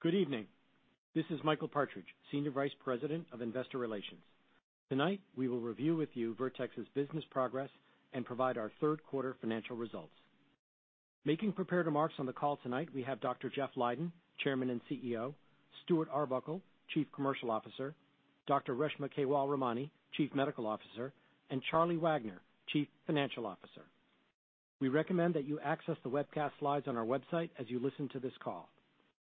Good evening. This is Michael Partridge, Senior Vice President of Investor Relations. Tonight, we will review with you Vertex's business progress and provide our third-quarter financial results. Making prepared remarks on the call tonight, we have Dr. Jeff Leiden, Chairman and CEO, Stuart Arbuckle, Chief Commercial Officer, Dr. Reshma Kewalramani, Chief Medical Officer, and Charlie Wagner, Chief Financial Officer. We recommend that you access the webcast slides on our website as you listen to this call.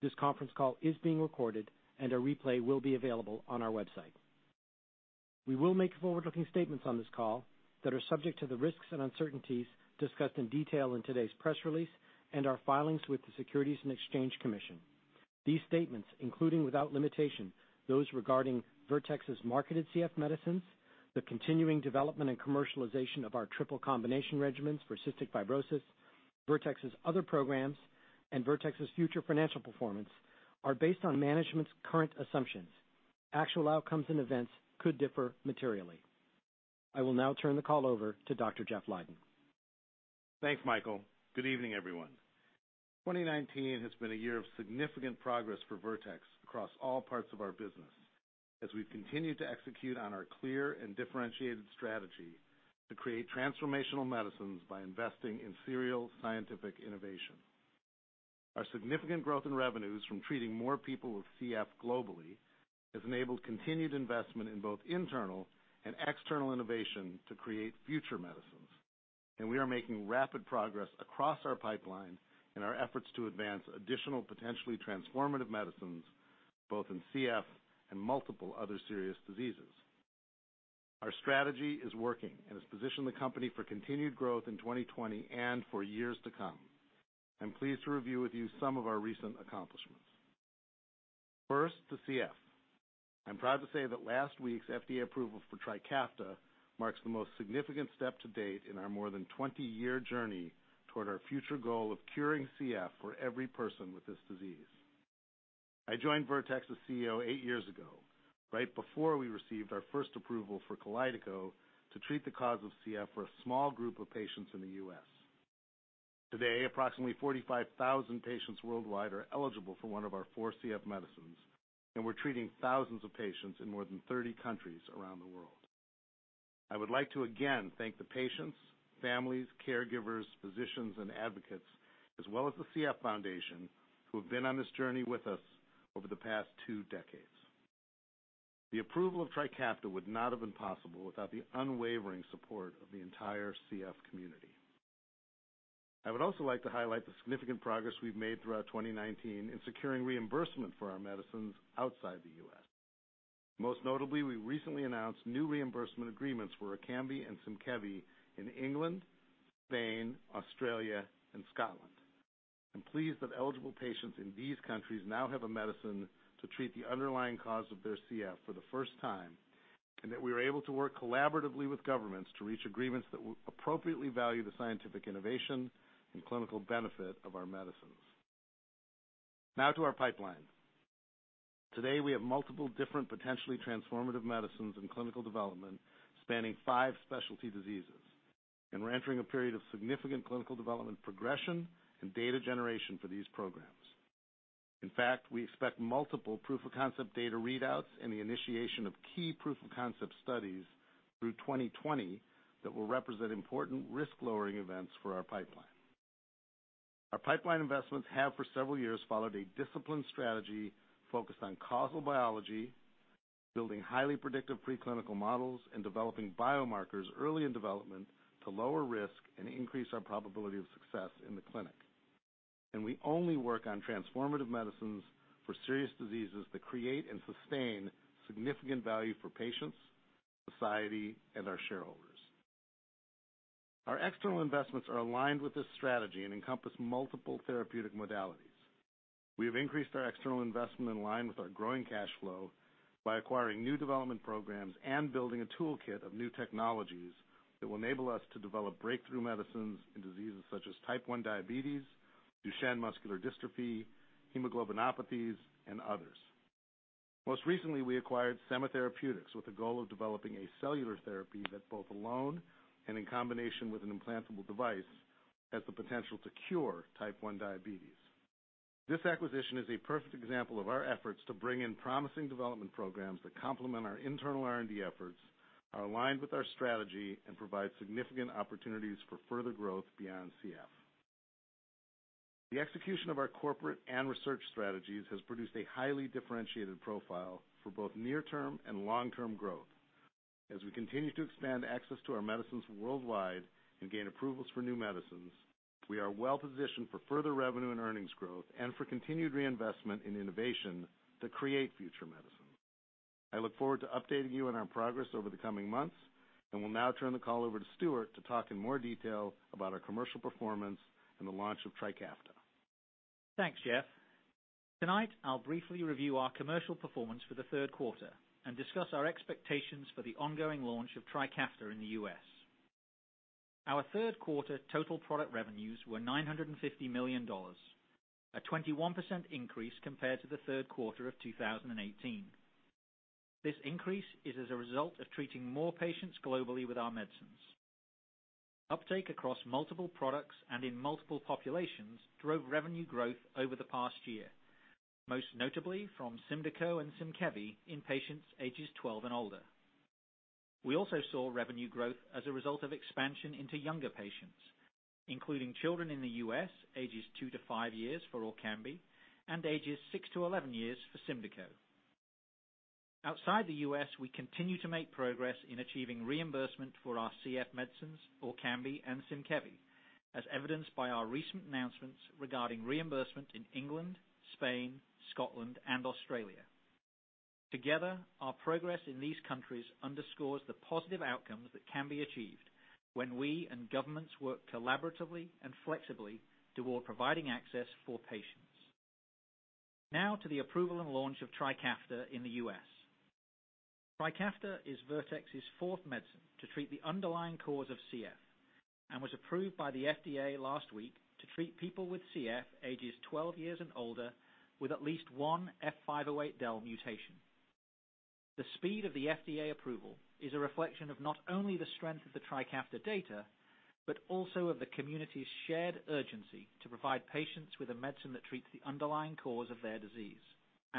This conference call is being recorded and a replay will be available on our website. We will make forward-looking statements on this call that are subject to the risks and uncertainties discussed in detail in today's press release and our filings with the Securities and Exchange Commission. These statements, including without limitation those regarding Vertex's marketed CF medicines, the continuing development and commercialization of our triple combination regimens for cystic fibrosis, Vertex's other programs, and Vertex's future financial performance, are based on management's current assumptions. Actual outcomes and events could differ materially. I will now turn the call over to Dr. Jeff Leiden. Thanks, Michael. Good evening, everyone. 2019 has been a year of significant progress for Vertex across all parts of our business, as we've continued to execute on our clear and differentiated strategy to create transformational medicines by investing in serial scientific innovation. Our significant growth in revenues from treating more people with CF globally has enabled continued investment in both internal and external innovation to create future medicines, and we are making rapid progress across our pipeline in our efforts to advance additional potentially transformative medicines, both in CF and multiple other serious diseases. Our strategy is working and has positioned the company for continued growth in 2020 and for years to come. I'm pleased to review with you some of our recent accomplishments. First, the CF. I'm proud to say that last week's FDA approval for TRIKAFTA marks the most significant step to date in our more than 20-year journey toward our future goal of curing CF for every person with this disease. I joined Vertex as CEO eight years ago, right before we received our first approval for KALYDECO to treat the cause of CF for a small group of patients in the U.S. Today, approximately 45,000 patients worldwide are eligible for one of our four CF medicines, and we're treating thousands of patients in more than 30 countries around the world. I would like to again thank the patients, families, caregivers, physicians, and advocates, as well as the CF Foundation, who have been on this journey with us over the past two decades. The approval of TRIKAFTA would not have been possible without the unwavering support of the entire CF community. I would also like to highlight the significant progress we've made throughout 2019 in securing reimbursement for our medicines outside the U.S. Most notably, we recently announced new reimbursement agreements for ORKAMBI and SYMKEVI in England, Spain, Australia, and Scotland. I'm pleased that eligible patients in these countries now have a medicine to treat the underlying cause of their CF for the first time, and that we were able to work collaboratively with governments to reach agreements that will appropriately value the scientific innovation and clinical benefit of our medicines. To our pipeline. Today, we have multiple different potentially transformative medicines in clinical development spanning five specialty diseases. We're entering a period of significant clinical development progression and data generation for these programs. In fact, we expect multiple proof-of-concept data readouts and the initiation of key proof-of-concept studies through 2020 that will represent important risk-lowering events for our pipeline. Our pipeline investments have for several years followed a disciplined strategy focused on causal biology, building highly predictive preclinical models, and developing biomarkers early in development to lower risk and increase our probability of success in the clinic. We only work on transformative medicines for serious diseases that create and sustain significant value for patients, society, and our shareholders. Our external investments are aligned with this strategy and encompass multiple therapeutic modalities. We have increased our external investment in line with our growing cash flow by acquiring new development programs and building a toolkit of new technologies that will enable us to develop breakthrough medicines in diseases such as type 1 diabetes, Duchenne muscular dystrophy, hemoglobinopathies, and others. Most recently, we acquired Semma Therapeutics with the goal of developing a cellular therapy that both alone and in combination with an implantable device has the potential to cure type 1 diabetes. This acquisition is a perfect example of our efforts to bring in promising development programs that complement our internal R&D efforts, are aligned with our strategy, and provide significant opportunities for further growth beyond CF. The execution of our corporate and research strategies has produced a highly differentiated profile for both near-term and long-term growth. As we continue to expand access to our medicines worldwide and gain approvals for new medicines, we are well-positioned for further revenue and earnings growth and for continued reinvestment in innovation to create future medicine. I look forward to updating you on our progress over the coming months, and will now turn the call over to Stuart to talk in more detail about our commercial performance and the launch of TRIKAFTA. Thanks, Jeff. Tonight, I'll briefly review our commercial performance for the third quarter and discuss our expectations for the ongoing launch of TRIKAFTA in the U.S. Our third-quarter total product revenues were $950 million, a 21% increase compared to the third quarter of 2018. This increase is as a result of treating more patients globally with our medicines Uptake across multiple products and in multiple populations drove revenue growth over the past year, most notably from SYMDEKO and SYMKEVI in patients ages 12 and older. We also saw revenue growth as a result of expansion into younger patients, including children in the U.S., ages two to five years for ORKAMBI, and ages six to 11 years for SYMDEKO. Outside the U.S., we continue to make progress in achieving reimbursement for our CF medicines, ORKAMBI and SYMKEVI, as evidenced by our recent announcements regarding reimbursement in England, Spain, Scotland and Australia. Together, our progress in these countries underscores the positive outcomes that can be achieved when we and governments work collaboratively and flexibly toward providing access for patients. Now to the approval and launch of TRIKAFTA in the U.S. Trikafta is Vertex's fourth medicine to treat the underlying cause of CF and was approved by the FDA last week to treat people with CF ages 12 years and older with at least one F508del mutation. The speed of the FDA approval is a reflection of not only the strength of the Trikafta data, but also of the community's shared urgency to provide patients with a medicine that treats the underlying cause of their disease.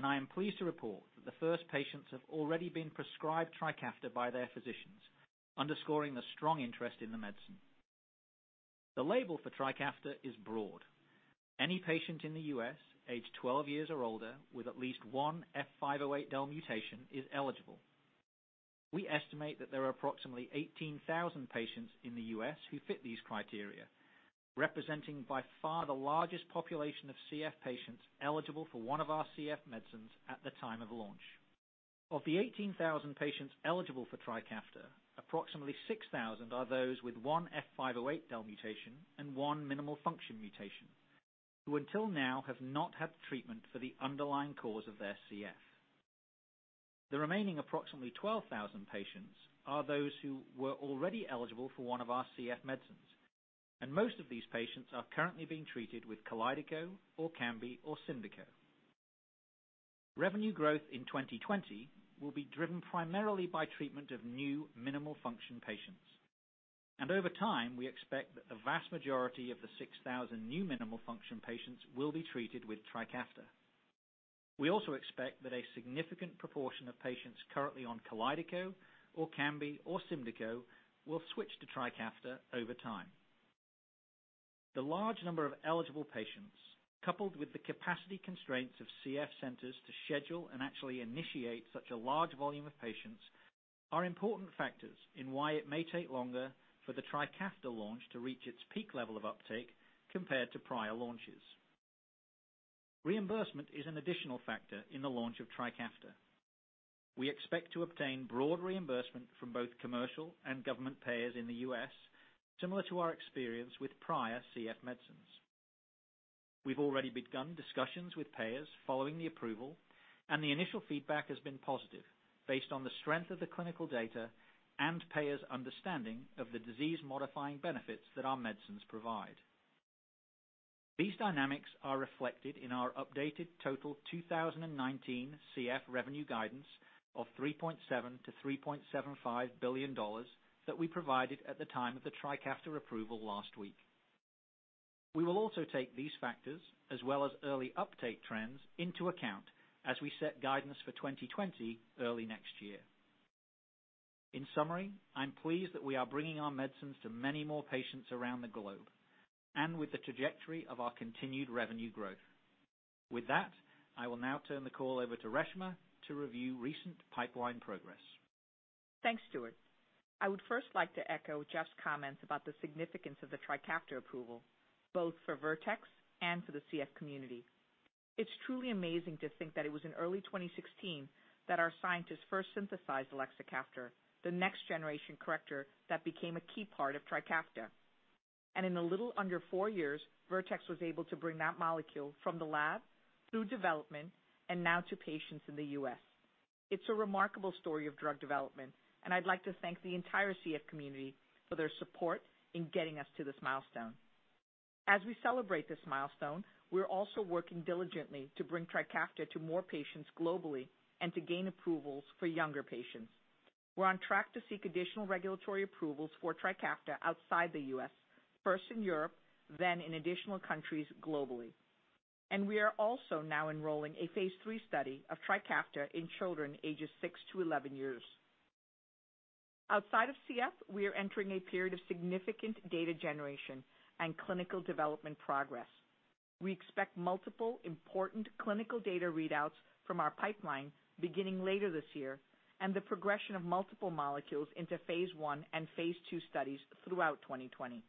I am pleased to report that the first patients have already been prescribed Trikafta by their physicians, underscoring the strong interest in the medicine. The label for Trikafta is broad. Any patient in the U.S. aged 12 years or older with at least one F508del mutation is eligible. We estimate that there are approximately 18,000 patients in the U.S. who fit these criteria, representing by far the largest population of CF patients eligible for one of our CF medicines at the time of launch. Of the 18,000 patients eligible for Trikafta, approximately 6,000 are those with one F508del mutation and one minimal function mutation, who until now have not had treatment for the underlying cause of their CF. The remaining approximately 12,000 patients are those who were already eligible for one of our CF medicines, and most of these patients are currently being treated with KALYDECO, ORKAMBI or SYMDEKO. Revenue growth in 2020 will be driven primarily by treatment of new minimal function patients. Over time, we expect that the vast majority of the 6,000 new minimal function patients will be treated with Trikafta. We also expect that a significant proportion of patients currently on KALYDECO, ORKAMBI or SYMDEKO will switch to TRIKAFTA over time. The large number of eligible patients, coupled with the capacity constraints of CF centers to schedule and actually initiate such a large volume of patients, are important factors in why it may take longer for the TRIKAFTA launch to reach its peak level of uptake compared to prior launches. Reimbursement is an additional factor in the launch of TRIKAFTA. We expect to obtain broad reimbursement from both commercial and government payers in the U.S., similar to our experience with prior CF medicines. We've already begun discussions with payers following the approval, and the initial feedback has been positive, based on the strength of the clinical data and payers' understanding of the disease-modifying benefits that our medicines provide. These dynamics are reflected in our updated total 2019 CF revenue guidance of $3.7 billion-$3.75 billion that we provided at the time of the TRIKAFTA approval last week. We will also take these factors as well as early uptake trends into account as we set guidance for 2020 early next year. In summary, I'm pleased that we are bringing our medicines to many more patients around the globe, and with the trajectory of our continued revenue growth. With that, I will now turn the call over to Reshma to review recent pipeline progress. Thanks, Stuart. I would first like to echo Jeff's comments about the significance of the TRIKAFTA approval, both for Vertex and for the CF community. It's truly amazing to think that it was in early 2016 that our scientists first synthesized elexacaftor, the next generation corrector that became a key part of TRIKAFTA. In a little under four years, Vertex was able to bring that molecule from the lab through development and now to patients in the U.S. It's a remarkable story of drug development, and I'd like to thank the entire CF community for their support in getting us to this milestone. As we celebrate this milestone, we're also working diligently to bring TRIKAFTA to more patients globally and to gain approvals for younger patients. We're on track to seek additional regulatory approvals for TRIKAFTA outside the U.S., first in Europe, then in additional countries globally. We are also now enrolling a phase III study of TRIKAFTA in children ages six to 11 years. Outside of CF, we are entering a period of significant data generation and clinical development progress. We expect multiple important clinical data readouts from our pipeline beginning later this year, and the progression of multiple molecules into phase I and phase II studies throughout 2020.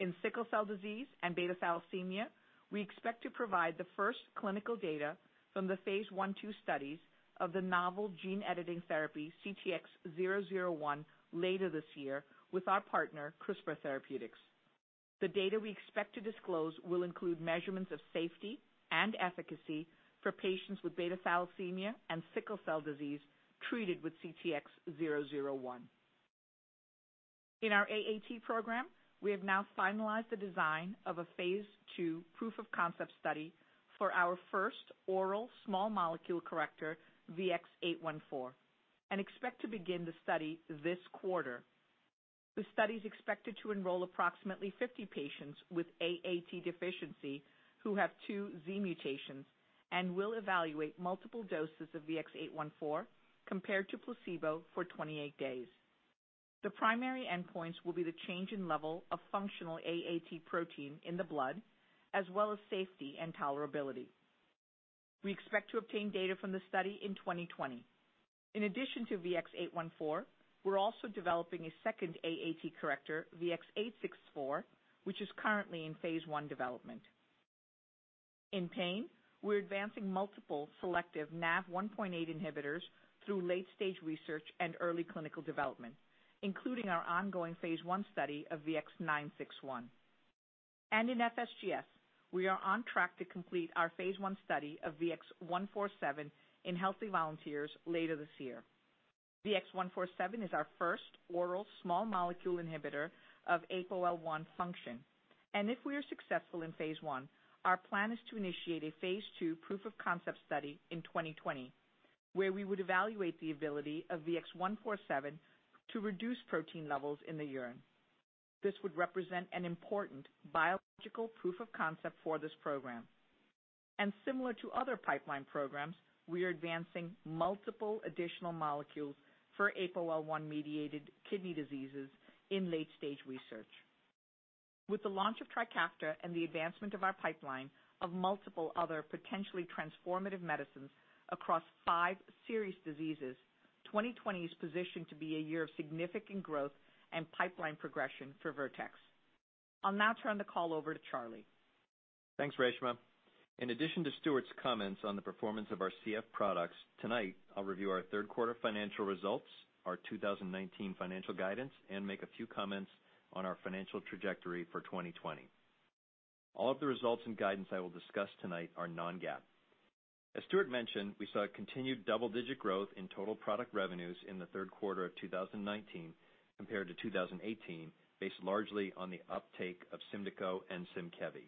In sickle cell disease and beta thalassemia, we expect to provide the first clinical data from the phase I-II studies of the novel gene editing therapy CTX001 later this year with our partner, CRISPR Therapeutics. The data we expect to disclose will include measurements of safety and efficacy for patients with beta thalassemia and sickle cell disease treated with CTX001. In our AAT program, we have now finalized the design of a phase II proof of concept study for our first oral small molecule corrector, VX-814, and expect to begin the study this quarter. The study's expected to enroll approximately 50 patients with AAT deficiency who have 2 Z mutation and will evaluate multiple doses of VX-814 compared to placebo for 28 days. The primary endpoints will be the change in level of functional AAT protein in the blood, as well as safety and tolerability. We expect to obtain data from the study in 2020. In addition to VX-814, we're also developing a second AAT corrector, VX-864, which is currently in phase I development. In pain, we're advancing multiple selective NaV1.8 inhibitors through late-stage research and early clinical development, including our ongoing phase I study of VX-961. In FSGS, we are on track to complete our phase I study of VX-147 in healthy volunteers later this year. VX-147 is our first oral small molecule inhibitor of APOL1 function. If we are successful in phase I, our plan is to initiate a phase II proof of concept study in 2020 where we would evaluate the ability of VX-147 to reduce protein levels in the urine. This would represent an important biological proof of concept for this program. Similar to other pipeline programs, we are advancing multiple additional molecules for APOL1-mediated kidney diseases in late-stage research. With the launch of Trikafta and the advancement of our pipeline of multiple other potentially transformative medicines across five serious diseases, 2020 is positioned to be a year of significant growth and pipeline progression for Vertex. I'll now turn the call over to Charlie. Thanks, Reshma. In addition to Stuart's comments on the performance of our CF products, tonight I'll review our third quarter financial results, our 2019 financial guidance, and make a few comments on our financial trajectory for 2020. All of the results and guidance I will discuss tonight are non-GAAP. As Stuart mentioned, we saw a continued double-digit growth in total product revenues in the third quarter of 2019 compared to 2018, based largely on the uptake of SYMDEKO and SYMKEVI.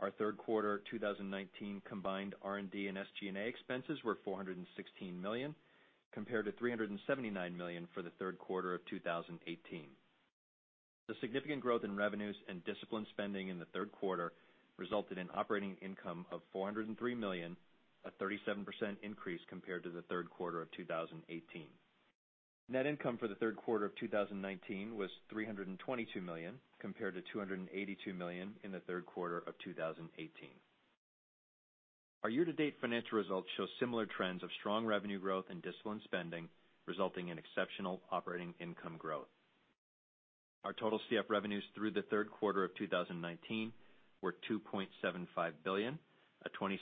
Our third quarter 2019 combined R&D and SG&A expenses were $416 million, compared to $379 million for the third quarter of 2018. The significant growth in revenues and disciplined spending in the third quarter resulted in operating income of $403 million, a 37% increase compared to the third quarter of 2018. Net income for the third quarter of 2019 was $322 million, compared to $282 million in the third quarter of 2018. Our year-to-date financial results show similar trends of strong revenue growth and disciplined spending, resulting in exceptional operating income growth. Our total CF revenues through the third quarter of 2019 were $2.75 billion, a 27%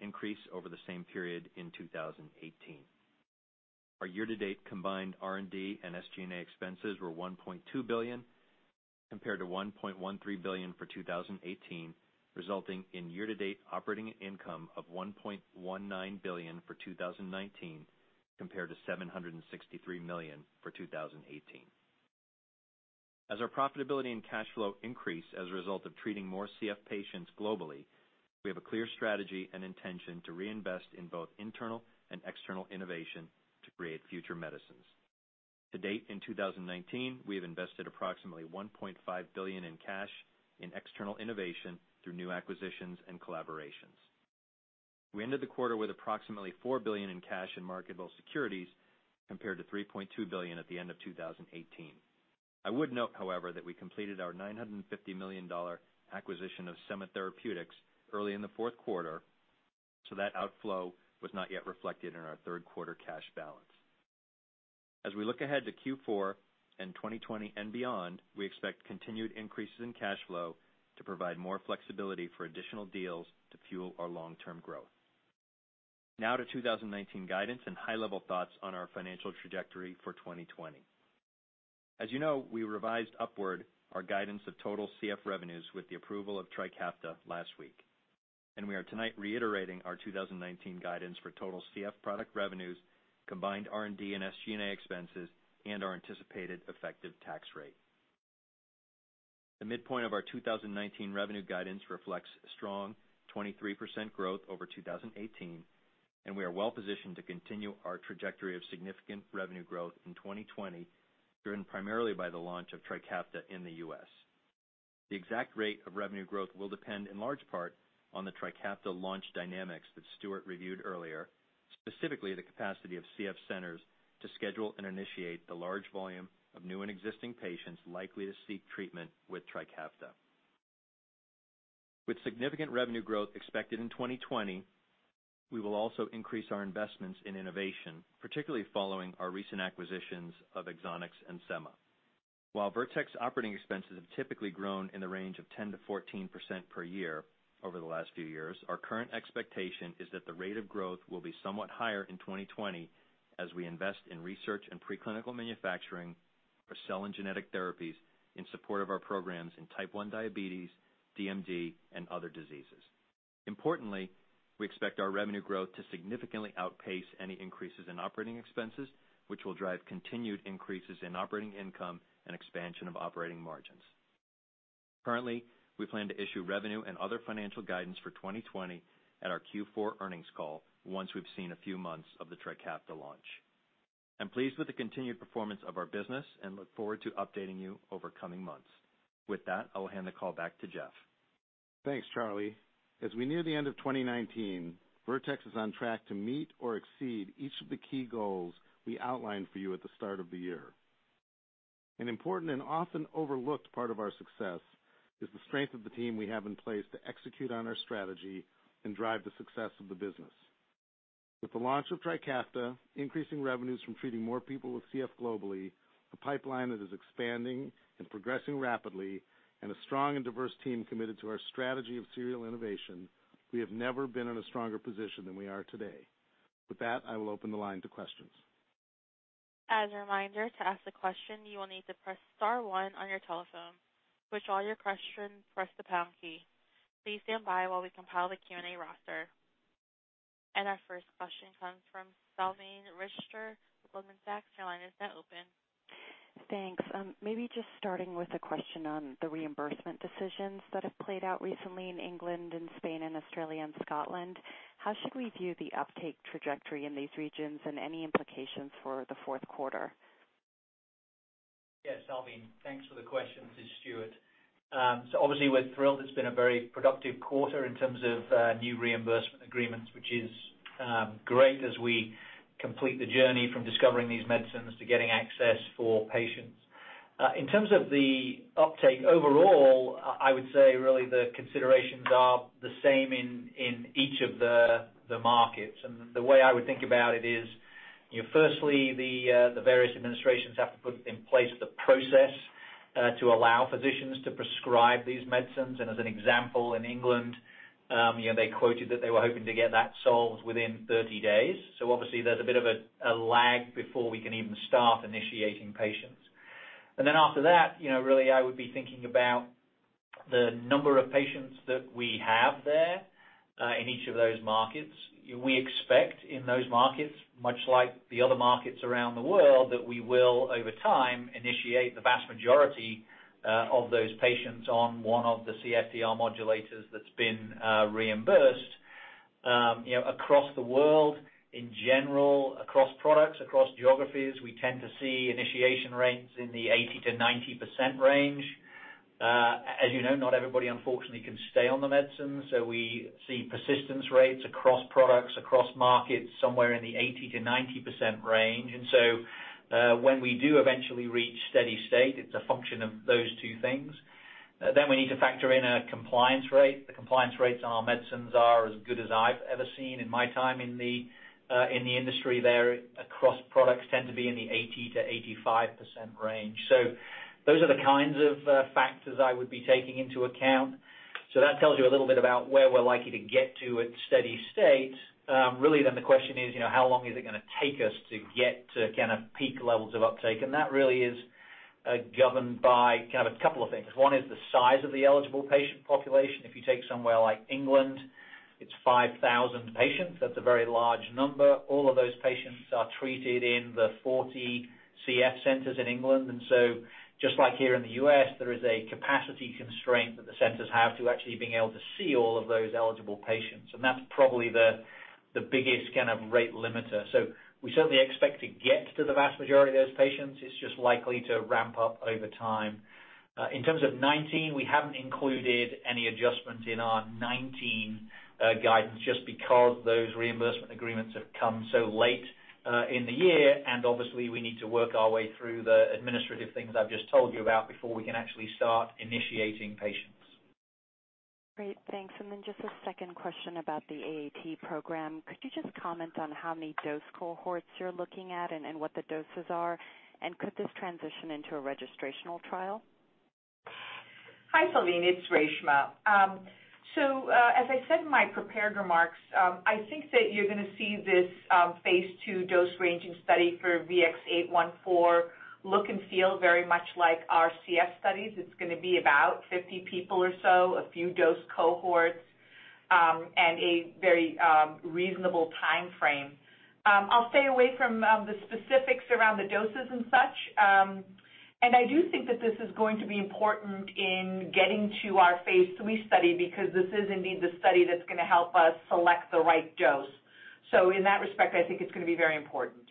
increase over the same period in 2018. Our year-to-date combined R&D and SG&A expenses were $1.2 billion, compared to $1.13 billion for 2018, resulting in year-to-date operating income of $1.19 billion for 2019, compared to $763 million for 2018. As our profitability and cash flow increase as a result of treating more CF patients globally, we have a clear strategy and intention to reinvest in both internal and external innovation to create future medicines. To date, in 2019, we have invested approximately $1.5 billion in cash in external innovation through new acquisitions and collaborations. We ended the quarter with approximately $4 billion in cash in marketable securities, compared to $3.2 billion at the end of 2018. I would note, however, that we completed our $950 million acquisition of Semma Therapeutics early in the fourth quarter, so that outflow was not yet reflected in our third quarter cash balance. As we look ahead to Q4 and 2020 and beyond, we expect continued increases in cash flow to provide more flexibility for additional deals to fuel our long-term growth. Now to 2019 guidance and high-level thoughts on our financial trajectory for 2020. As you know, we revised upward our guidance of total CF revenues with the approval of TRIKAFTA last week, and we are tonight reiterating our 2019 guidance for total CF product revenues, combined R&D and SG&A expenses, and our anticipated effective tax rate. The midpoint of our 2019 revenue guidance reflects strong 23% growth over 2018, and we are well positioned to continue our trajectory of significant revenue growth in 2020, driven primarily by the launch of TRIKAFTA in the U.S. The exact rate of revenue growth will depend in large part on the TRIKAFTA launch dynamics that Stuart reviewed earlier, specifically the capacity of CF centers to schedule and initiate the large volume of new and existing patients likely to seek treatment with TRIKAFTA. With significant revenue growth expected in 2020, we will also increase our investments in innovation, particularly following our recent acquisitions of Exonics and Semma. While Vertex operating expenses have typically grown in the range of 10% to 14% per year over the last few years, our current expectation is that the rate of growth will be somewhat higher in 2020 as we invest in research and preclinical manufacturing for cell and genetic therapies in support of our programs in type 1 diabetes, DMD, and other diseases. Importantly, we expect our revenue growth to significantly outpace any increases in operating expenses, which will drive continued increases in operating income and expansion of operating margins. Currently, we plan to issue revenue and other financial guidance for 2020 at our Q4 earnings call, once we've seen a few months of the TRIKAFTA launch. I'm pleased with the continued performance of our business and look forward to updating you over coming months. With that, I will hand the call back to Jeff. Thanks, Charlie. As we near the end of 2019, Vertex is on track to meet or exceed each of the key goals we outlined for you at the start of the year. An important and often overlooked part of our success is the strength of the team we have in place to execute on our strategy and drive the success of the business. With the launch of Trikafta, increasing revenues from treating more people with CF globally, a pipeline that is expanding and progressing rapidly, and a strong and diverse team committed to our strategy of serial innovation, we have never been in a stronger position than we are today. With that, I will open the line to questions. As a reminder, to ask a question, you will need to press star one on your telephone. To withdraw your question, press the pound key. Please stand by while we compile the Q&A roster. Our first question comes from Salveen Richter, Goldman Sachs. Your line is now open. Thanks. Just starting with a question on the reimbursement decisions that have played out recently in England and Spain and Australia and Scotland. How should we view the uptake trajectory in these regions and any implications for the fourth quarter? Yes, Salveen. Thanks for the question. This is Stuart. Obviously we're thrilled. It's been a very productive quarter in terms of new reimbursement agreements, which is great as we complete the journey from discovering these medicines to getting access for patients. In terms of the uptake overall, I would say really the considerations are the same in each of the markets. The way I would think about it is, firstly, the various administrations have to put in place the process to allow physicians to prescribe these medicines. As an example, in England, they quoted that they were hoping to get that solved within 30 days. Obviously there's a bit of a lag before we can even start initiating patients. After that, really I would be thinking about the number of patients that we have there in each of those markets. We expect in those markets, much like the other markets around the world, that we will over time initiate the vast majority of those patients on one of the CFTR modulators that's been reimbursed. Across the world in general, across products, across geographies, we tend to see initiation rates in the 80%-90% range. As you know, not everybody unfortunately can stay on the medicine, we see persistence rates across products, across markets, somewhere in the 80%-90% range. When we do eventually reach steady state, it's a function of those two things. We need to factor in a compliance rate. The compliance rates on our medicines are as good as I've ever seen in my time in the industry. They're across products, tend to be in the 80%-85% range. Those are the kinds of factors I would be taking into account. That tells you a little bit about where we're likely to get to at steady state. The question is, how long is it going to take us to get to kind of peak levels of uptake? That really is governed by kind of a couple of things. One is the size of the eligible patient population. If you take somewhere like England, it's 5,000 patients. That's a very large number. All of those patients are treated in the 40 CF centers in England. Just like here in the U.S., there is a capacity constraint that the centers have to actually being able to see all of those eligible patients. That's probably the biggest kind of rate limiter. We certainly expect to get to the vast majority of those patients. It's just likely to ramp up over time. In terms of 2019, we haven't included any adjustment in our 2019 guidance just because those reimbursement agreements have come so late in the year, and obviously we need to work our way through the administrative things I've just told you about before we can actually start initiating patients. Great. Thanks. Just a second question about the AAT program. Could you just comment on how many dose cohorts you're looking at and what the doses are? Could this transition into a registrational trial? Hi, Salveen, it's Reshma. As I said in my prepared remarks, I think that you're going to see this phase II dose ranging study for VX-814 look and feel very much like our CF studies. It's going to be about 50 people or so, a few dose cohorts, and a very reasonable timeframe. I'll stay away from the specifics around the doses and such. I do think that this is going to be important in getting to our phase III study because this is indeed the study that's going to help us select the right dose. In that respect, I think it's going to be very important.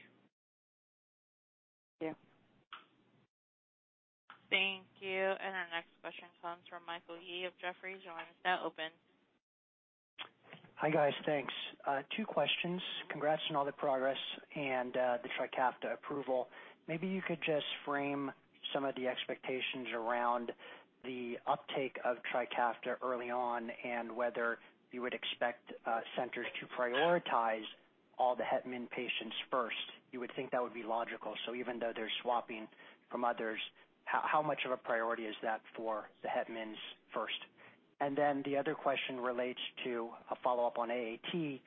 Thank you. Thank you. Our next question comes from Michael Yee of Jefferies. Your line is now open. Hi, guys. Thanks. Two questions. Congrats on all the progress and the TRIKAFTA approval. You could just frame some of the expectations around the uptake of TRIKAFTA early on and whether you would expect centers to prioritize all the het-min patients first. You would think that would be logical. Even though they're swapping from others, how much of a priority is that for the het-mins first? The other question relates to a follow-up on AAT,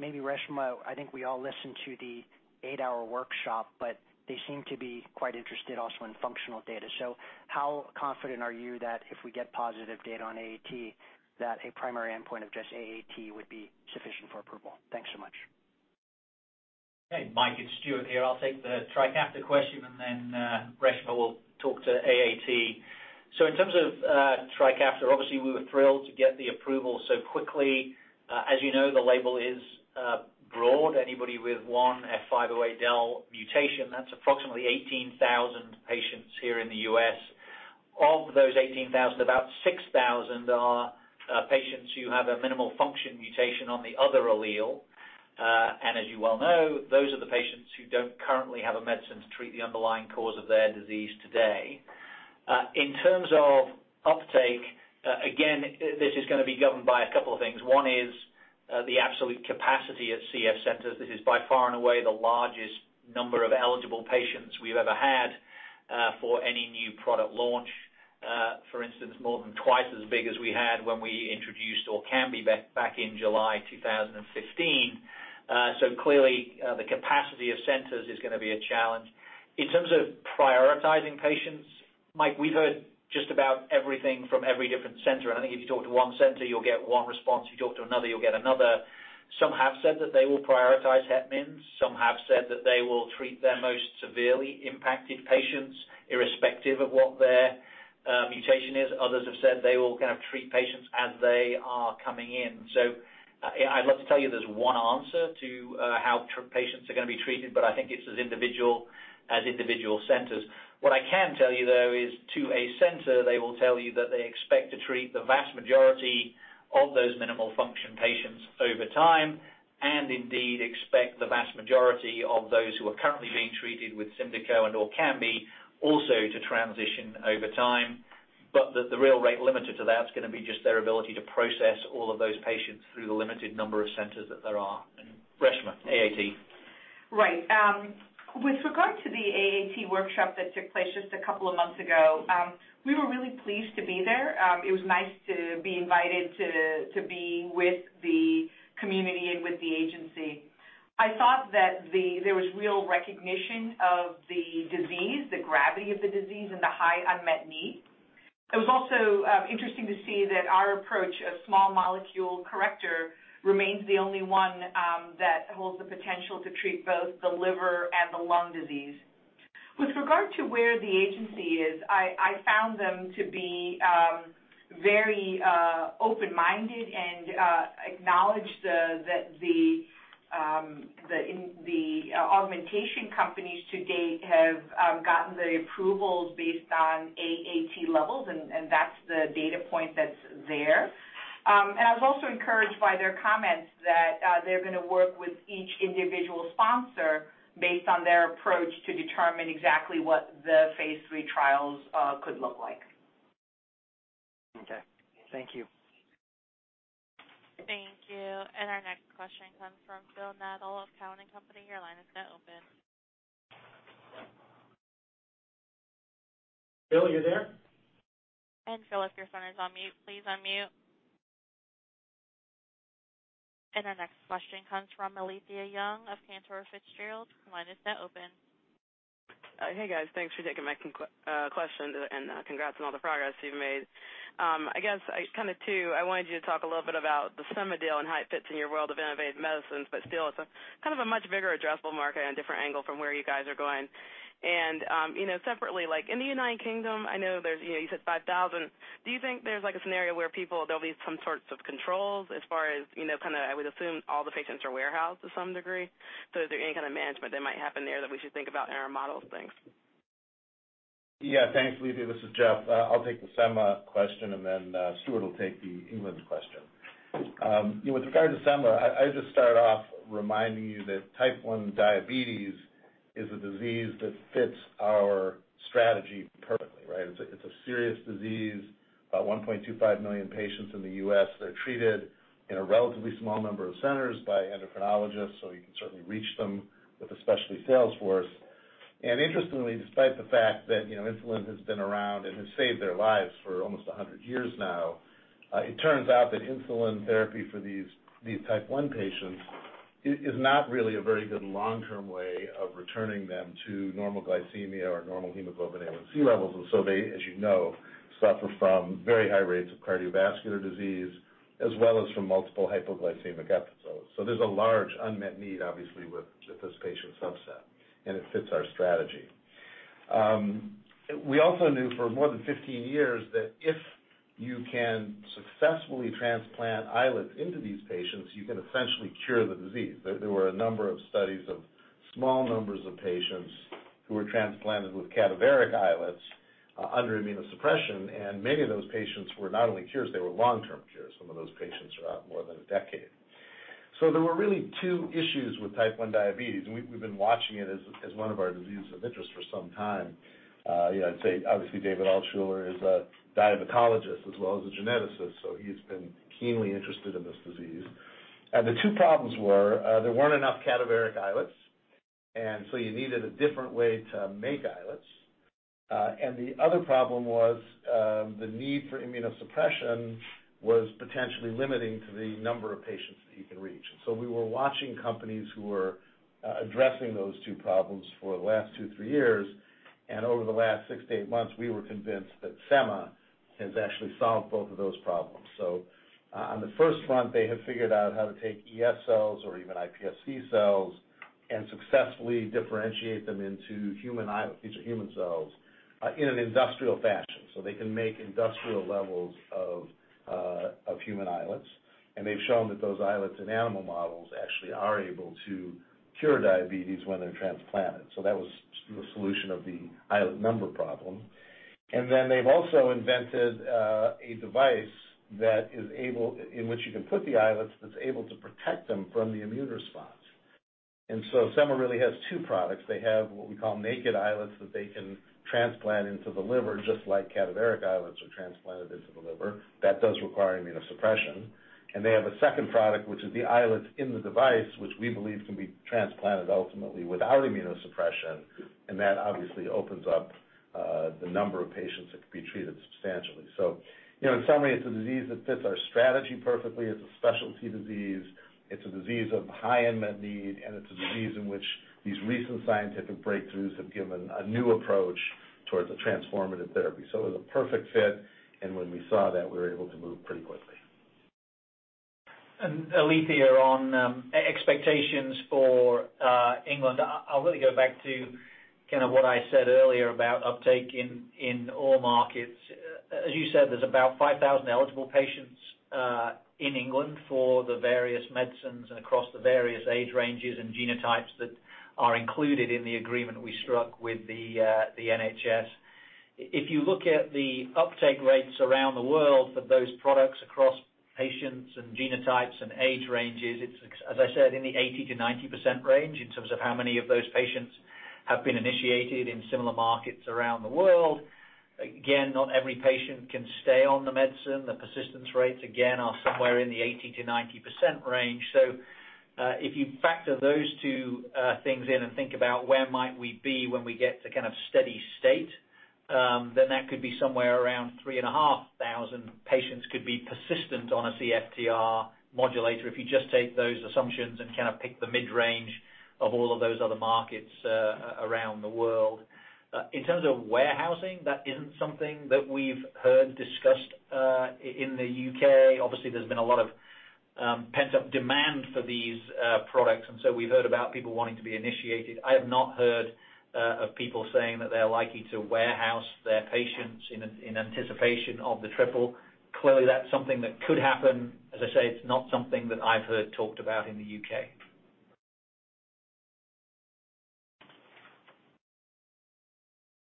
maybe Reshma, I think we all listened to the eight-hour workshop, they seem to be quite interested also in functional data. How confident are you that if we get positive data on AAT, that a primary endpoint of just AAT would be sufficient for approval? Thanks so much. Hey, Mike, it's Stuart here. I'll take the TRIKAFTA question, and then Reshma will talk to AAT. In terms of TRIKAFTA, obviously we were thrilled to get the approval so quickly. As you know, the label is broad. Anybody with one F508del mutation, that's approximately 18,000 patients here in the U.S. Of those 18,000, about 6,000 are patients who have a minimal function mutation on the other allele. As you well know, those are the patients who don't currently have a medicine to treat the underlying cause of their disease today. In terms of uptake, again, this is going to be governed by a couple of things. One is the absolute capacity at CF centers. This is by far and away the largest number of eligible patients we've ever had for any new product launch, for instance, more than twice as big as we had when we introduced ORKAMBI back in July 2015. Clearly, the capacity of centers is going to be a challenge. In terms of prioritizing patients, Michael, we've heard just about everything from every different center, and I think if you talk to one center, you'll get one response, you talk to another, you'll get another. Some have said that they will prioritize het-mins. Some have said that they will treat their most severely impacted patients irrespective of what their mutation is. Others have said they will treat patients as they are coming in. I'd love to tell you there's one answer to how patients are going to be treated, but I think it's as individual as individual centers. What I can tell you, though, is to a center, they will tell you that they expect to treat the vast majority of those minimal function patients over time, and indeed expect the vast majority of those who are currently being treated with SYMDEKO and ORKAMBI also to transition over time. The real rate limiter to that's going to be just their ability to process all of those patients through the limited number of centers that there are. Reshma, AAT. Right. With regard to the AAT workshop that took place just a couple of months ago, we were really pleased to be there. It was nice to be invited to be with the community and with the agency. I thought that there was real recognition of the disease, the gravity of the disease, and the high unmet need. It was also interesting to see that our approach, a small molecule corrector, remains the only one that holds the potential to treat both the liver and the lung disease. With regard to where the agency is, I found them to be very open-minded and acknowledge that the augmentation companies to date have gotten the approvals based on AAT levels, and that's the data point that's there. I was also encouraged by their comments that they're going to work with each individual sponsor based on their approach to determine exactly what the phase III trials could look like. Okay. Thank you. Thank you. Our next question comes from Phil Nadeau of Cowen and Company. Your line is now open. Phil, you there? Phil, if your phone is on mute, please unmute. Our next question comes from Alethia Young of Cantor Fitzgerald. Line is now open. Hey, guys. Thanks for taking my question and congrats on all the progress you've made. I guess, kind of two, I wanted you to talk a little bit about the Semma deal and how it fits in your world of innovative medicines, but still it's a much bigger addressable market and a different angle from where you guys are going. Separately, in the United Kingdom, I know you said 5,000. Do you think there's a scenario where there'll be some sorts of controls as far as, I would assume all the patients are warehoused to some degree. Is there any kind of management that might happen there that we should think about in our models? Thanks. Thanks, Alethia. This is Jeff. I'll take the Semma question, Stuart will take the England question. With regard to Semma, I'd start off reminding you that type 1 diabetes is a disease that fits our strategy perfectly, right? It's a serious disease. About $1.25 million patients in the U.S. that are treated in a relatively small number of centers by endocrinologists, you can certainly reach them with a specialty sales force. Interestingly, despite the fact that insulin has been around and has saved their lives for almost 100 years now, it turns out that insulin therapy for these type 1 patients is not really a very good long-term way of returning them to normal glycemia or normal hemoglobin A1C levels. They, as you know, suffer from very high rates of cardiovascular disease, as well as from multiple hypoglycemic episodes. There's a large unmet need, obviously, with this patient subset, and it fits our strategy. We also knew for more than 15 years that if you can successfully transplant islets into these patients, you can essentially cure the disease. There were a number of studies of small numbers of patients who were transplanted with cadaveric islets under immunosuppression, and many of those patients were not only cures, they were long-term cures. Some of those patients are out more than a decade. There were really 2 issues with type 1 diabetes, and we've been watching it as one of our diseases of interest for some time. I'd say obviously David Altshuler is a diabetologist as well as a geneticist, he's been keenly interested in this disease. The 2 problems were there weren't enough cadaveric islets, you needed a different way to make islets. The other problem was the need for immunosuppression was potentially limiting to the number of patients that you can reach. We were watching companies who were addressing those two problems for the last two, three years, and over the last 6-8 months, we were convinced that Semma has actually solved both of those problems. On the first front, they have figured out how to take ES cells or even iPSC cells and successfully differentiate them into human islets, which are human cells, in an industrial fashion. They can make industrial levels of human islets. They've shown that those islets in animal models actually are able to cure diabetes when they're transplanted. That was the solution of the islet number problem. They've also invented a device in which you can put the islets that's able to protect them from the immune response. Semma really has two products. They have what we call naked islets that they can transplant into the liver, just like cadaveric islets are transplanted into the liver. That does require immunosuppression. They have a second product, which is the islets in the device, which we believe can be transplanted ultimately without immunosuppression. That obviously opens up the number of patients that could be treated substantially. In summary, it's a disease that fits our strategy perfectly. It's a specialty disease. It's a disease of high unmet need, and it's a disease in which these recent scientific breakthroughs have given a new approach towards a transformative therapy. It was a perfect fit, and when we saw that, we were able to move pretty quickly. Alethia, on expectations for England, I'll really go back to what I said earlier about uptake in all markets. As you said, there's about 5,000 eligible patients in England for the various medicines and across the various age ranges and genotypes that are included in the agreement we struck with the NHS. If you look at the uptake rates around the world for those products across patients and genotypes and age ranges, it's, as I said, in the 80%-90% range in terms of how many of those patients have been initiated in similar markets around the world. Again, not every patient can stay on the medicine. The persistence rates, again, are somewhere in the 80%-90% range. If you factor those two things in and think about where might we be when we get to steady state, that could be somewhere around 3,500 patients could be persistent on a CFTR modulator if you just take those assumptions and pick the mid-range of all of those other markets around the world. In terms of warehousing, that isn't something that we've heard discussed in the U.K. Obviously, there's been a lot of pent-up demand for these products, we've heard about people wanting to be initiated. I have not heard of people saying that they're likely to warehouse their patients in anticipation of the triple. Clearly, that's something that could happen. As I say, it's not something that I've heard talked about in the U.K.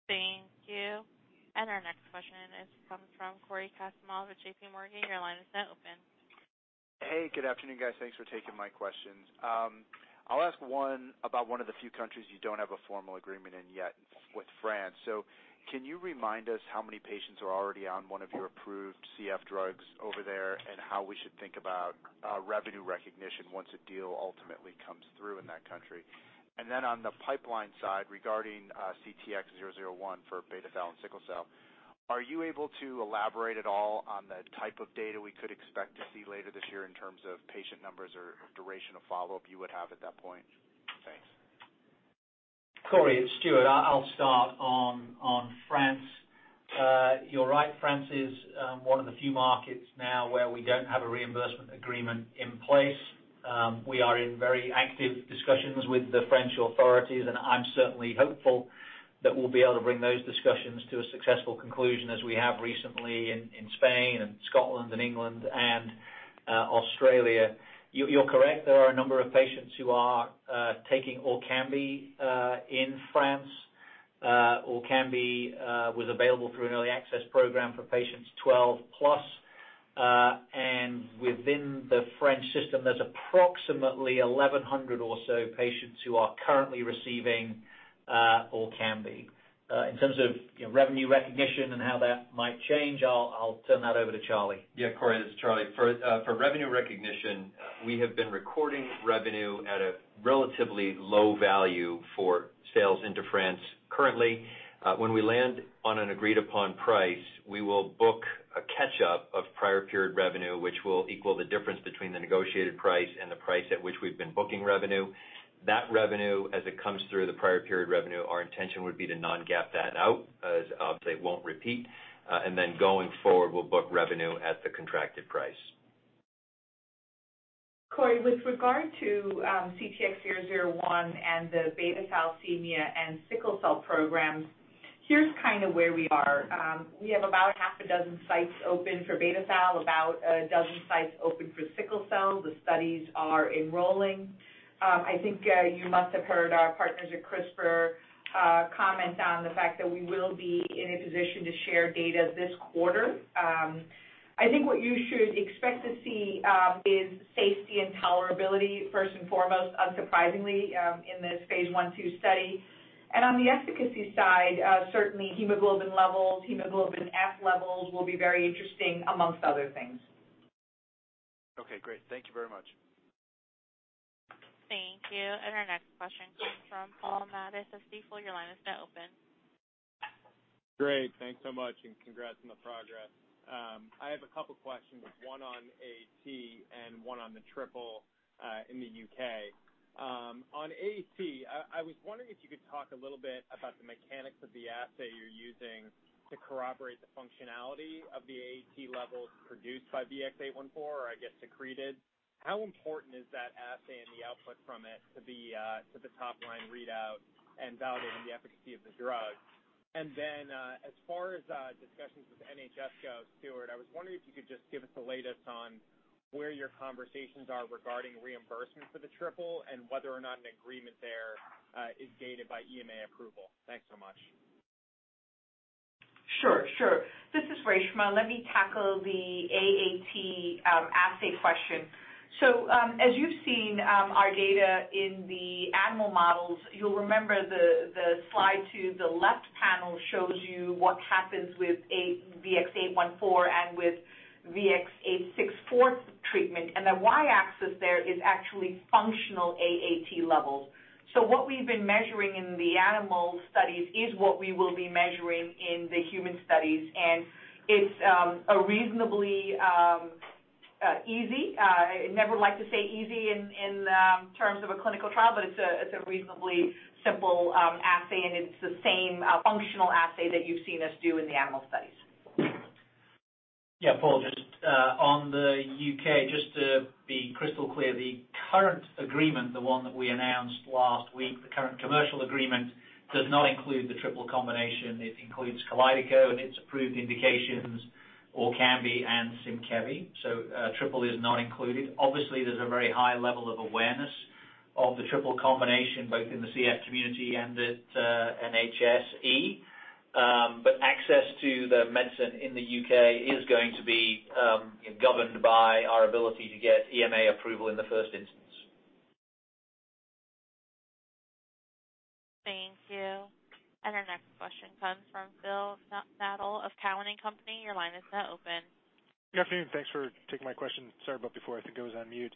Thank you. Our next question comes from Cory Kasimov at J.P. Morgan. Your line is now open. Hey, good afternoon, guys. Thanks for taking my questions. I'll ask one about one of the few countries you don't have a formal agreement in yet with France. Can you remind us how many patients are already on one of your approved CF drugs over there and how we should think about revenue recognition once a deal ultimately comes through in that country? On the pipeline side, regarding CTX001 for beta-thal and sickle cell, are you able to elaborate at all on the type of data we could expect to see later this year in terms of patient numbers or duration of follow-up you would have at that point? Thanks. Cory, it's Stuart. I'll start on France. You're right, France is one of the few markets now where we don't have a reimbursement agreement in place. We are in very active discussions with the French authorities. I'm certainly hopeful that we'll be able to bring those discussions to a successful conclusion as we have recently in Spain and Scotland and England and Australia. You're correct. There are a number of patients who are taking ORKAMBI in France. ORKAMBI was available through an early access program for patients 12+. Within the French system, there's approximately 1,100 or so patients who are currently receiving ORKAMBI. In terms of revenue recognition and how that might change, I'll turn that over to Charlie. Yeah, Cory, this is Charlie. For revenue recognition, we have been recording revenue at a relatively low value for sales into France currently. When we land on an agreed-upon price, we will book a catch-up of prior period revenue, which will equal the difference between the negotiated price and the price at which we've been booking revenue. That revenue, as it comes through the prior period revenue, our intention would be to non-GAAP that out, as obviously it won't repeat. Going forward, we'll book revenue at the contracted price. Cory, with regard to CTX001 and the beta thalassemia and sickle cell programs, here's where we are. We have about half a dozen sites open for beta thal, about a dozen sites open for sickle cell. The studies are enrolling. I think you must have heard our partners at CRISPR comment on the fact that we will be in a position to share data this quarter. I think what you should expect to see is safety and tolerability, first and foremost, unsurprisingly, in this phase I/II study. On the efficacy side, certainly hemoglobin levels, hemoglobin F levels will be very interesting, amongst other things. Okay, great. Thank you very much. Thank you. Our next question comes from Paul Matteis, Stifel. Your line is now open. Great. Thanks so much, congrats on the progress. I have a couple questions, one on AAT and one on the triple in the U.K. On AAT, I was wondering if you could talk a little bit about the mechanics of the assay you're using to corroborate the functionality of the AAT levels produced by VX-814, or I guess secreted. How important is that assay and the output from it to the top line readout and validating the efficacy of the drug? As far as discussions with NHS go, Stuart, I was wondering if you could just give us the latest on where your conversations are regarding reimbursement for the triple and whether or not an agreement there is gated by EMA approval. Thanks so much. Sure. This is Reshma. Let me tackle the AAT assay question. As you've seen our data in the animal models, you'll remember the slide to the left panel shows you what happens with VX-814 and with VX-864 treatment. The Y-axis there is actually functional AAT levels. What we've been measuring in the animal studies is what we will be measuring in the human studies, and it's reasonably easy. I never like to say easy in terms of a clinical trial, but it's a reasonably simple assay, and it's the same functional assay that you've seen us do in the animal studies. Paul, just on the U.K., just to be crystal clear, the current agreement, the one that we announced last week, the current commercial agreement does not include the triple combination. It includes KALYDECO and its approved indications, ORKAMBI and SYMKEVY. Triple is not included. Obviously, there's a very high level of awareness of the triple combination, both in the CF community and at NHSE. Access to the medicine in the U.K. is going to be governed by our ability to get EMA approval in the first instance. Thank you. Our next question comes from Phil Nadeau of Cowen and Company. Your line is now open. Good afternoon. Thanks for taking my question. Sorry about before, I think I was on mute.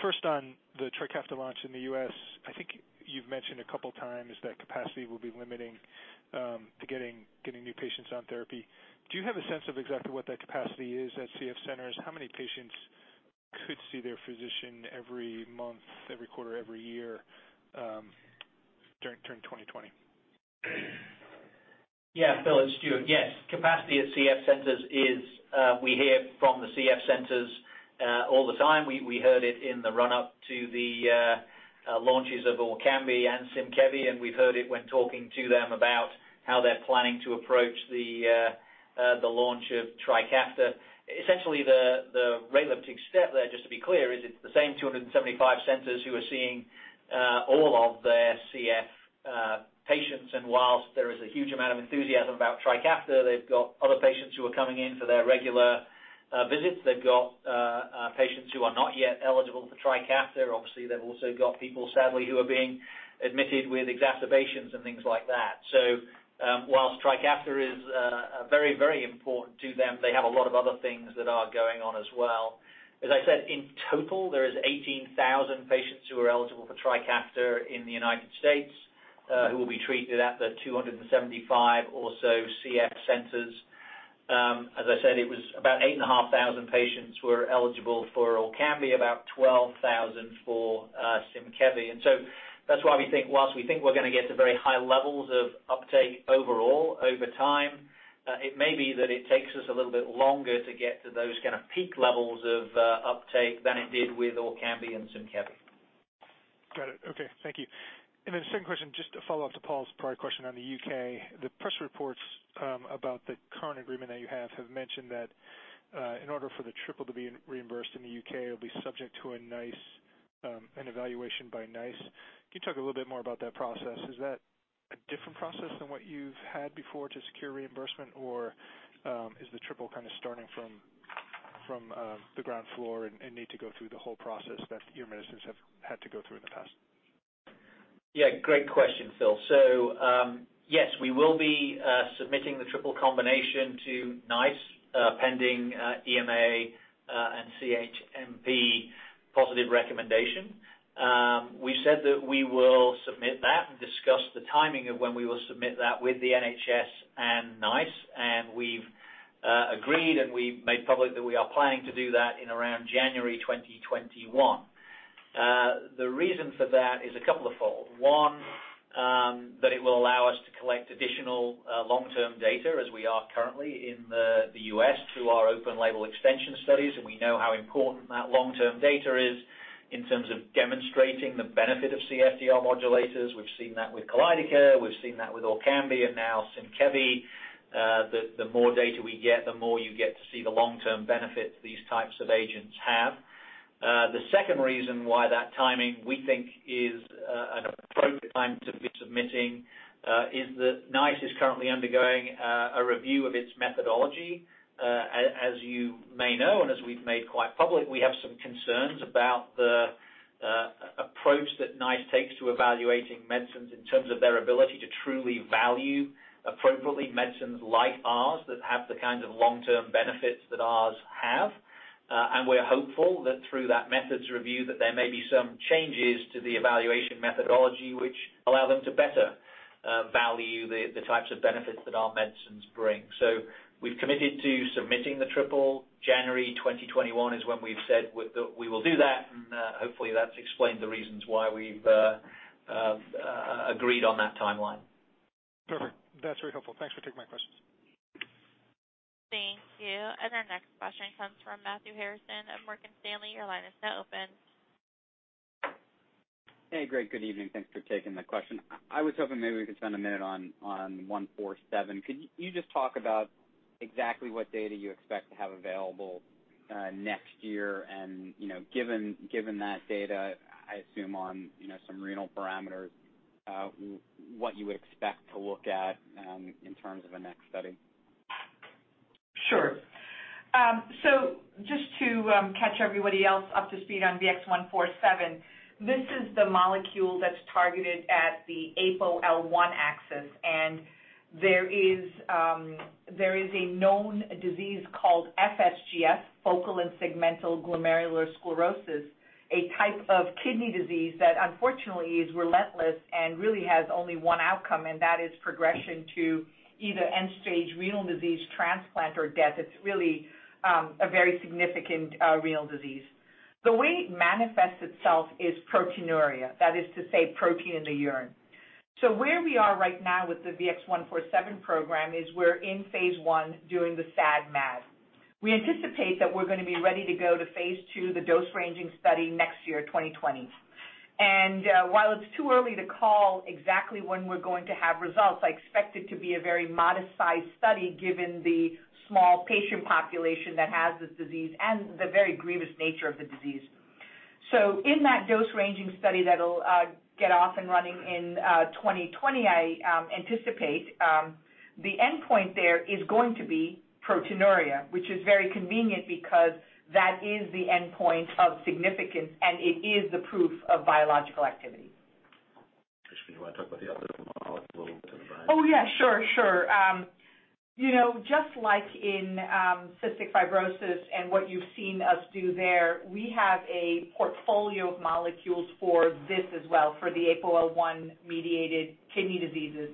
First on the TRIKAFTA launch in the U.S., I think you've mentioned a couple times that capacity will be limiting to getting new patients on therapy. Do you have a sense of exactly what that capacity is at CF centers? How many patients could see their physician every month, every quarter, every year during 2020? Yeah, Phil, it's Stuart. Yes, capacity at CF centers, we hear from the CF centers all the time. We heard it in the run-up to the launches of ORKAMBI and SYMKEVI. We've heard it when talking to them about how they're planning to approach the launch of TRIKAFTA. Essentially, the rate-limiting step there, just to be clear, is it's the same 275 centers who are seeing all of their CF patients. Whilst there is a huge amount of enthusiasm about TRIKAFTA, they've got other patients who are coming in for their regular visits. They've got patients who are not yet eligible for TRIKAFTA. Obviously, they've also got people, sadly, who are being admitted with exacerbations and things like that. Whilst TRIKAFTA is very important to them, they have a lot of other things that are going on as well. As I said, in total, there is 18,000 patients who are eligible for TRIKAFTA in the U.S. who will be treated at the 275 or so CF centers. As I said, it was about 8,500 patients who are eligible for ORKAMBI, about 12,000 for SYMKEVY. That's why whilst we think we're going to get to very high levels of uptake overall over time, it may be that it takes us a little bit longer to get to those kind of peak levels of uptake than it did with ORKAMBI and SYMKEVY. Got it. Okay. Thank you. Second question, just to follow up to Paul's prior question on the U.K. The press reports about the current agreement that you have mentioned that in order for the Triple to be reimbursed in the U.K., it'll be subject to an evaluation by NICE. Can you talk a little bit more about that process? Is that a different process than what you've had before to secure reimbursement, or is the Triple kind of starting from the ground floor and need to go through the whole process that your medicines have had to go through in the past? Yeah, great question, Phil. Yes, we will be submitting the triple combination to NICE, pending EMA and CHMP positive recommendation. We've said that we will submit that and discuss the timing of when we will submit that with the NHS and NICE, and we've agreed, and we've made public that we are planning to do that in around January 2021. The reason for that is a couple of fold. One, that it will allow us to collect additional long-term data as we are currently in the U.S. through our open label extension studies, and we know how important that long-term data is in terms of demonstrating the benefit of CFTR modulators. We've seen that with KALYDECO, we've seen that with ORKAMBI and now SYMKEVI. The more data we get, the more you get to see the long-term benefits these types of agents have. The second reason why that timing, we think is an appropriate time to be submitting is that NICE is currently undergoing a review of its methodology. As you may know, and as we've made quite public, we have some concerns about the approach that NICE takes to evaluating medicines in terms of their ability to truly value appropriately medicines like ours that have the kinds of long-term benefits that ours have. We're hopeful that through that methods review, that there may be some changes to the evaluation methodology, which allow them to better value the types of benefits that our medicines bring. We've committed to submitting the triple. January 2021 is when we've said we will do that, hopefully that's explained the reasons why we've agreed on that timeline. Perfect. That's very helpful. Thanks for taking my questions. Thank you. Our next question comes from Matthew Harrison of Morgan Stanley. Your line is now open. Hey, great. Good evening. Thanks for taking the question. I was hoping maybe we could spend a minute on VX-147. Could you just talk about exactly what data you expect to have available next year and, given that data, I assume on some renal parameters, what you would expect to look at in terms of a next study? Sure. Just to catch everybody else up to speed on VX-147, this is the molecule that's targeted at the APOL1 axis. There is a known disease called FSGS, focal and segmental glomerulosclerosis, a type of kidney disease that unfortunately is relentless and really has only one outcome, and that is progression to either end-stage renal disease transplant or death. It's really a very significant renal disease. The way it manifests itself is proteinuria. That is to say, protein in the urine. Where we are right now with the VX-147 program is we're in phase I doing the SAD/MAD. We anticipate that we're going to be ready to go to phase II, the dose-ranging study, next year, 2020. While it's too early to call exactly when we're going to have results, I expect it to be a very modest-sized study given the small patient population that has this disease and the very grievous nature of the disease. In that dose-ranging study that'll get off and running in 2020, I anticipate the endpoint there is going to be proteinuria, which is very convenient because that is the endpoint of significance, and it is the proof of biological activity. Reshma, do you want to talk about the other molecules in the pipeline? Oh, yeah. Sure. Just like in cystic fibrosis and what you've seen us do there, we have a portfolio of molecules for this as well, for the APOL1-mediated kidney diseases.